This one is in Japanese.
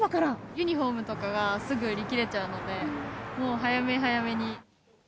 ユニホームとかが、すぐ売り切れちゃうので、もう早め早めに。